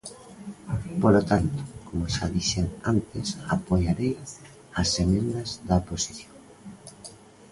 Polo tanto, como xa dixen antes, apoiarei as emendas da oposición.